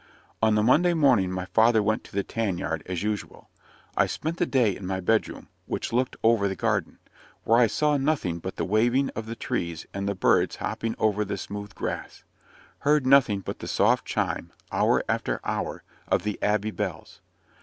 On the Monday morning my father went to the tan yard as usual. I spent the day in my bed room, which looked over the garden, where I saw nothing but the waving of the trees and the birds hopping over the smooth grass; heard nothing but the soft chime, hour after hour, of the Abbey bells.